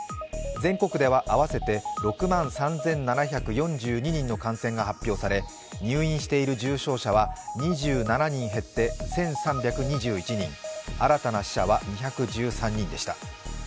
全国では合わせて６万３７４２人の感染者が発表され入院している重症者は２７人減って、１３２１人、新たな死者は２１３人でした。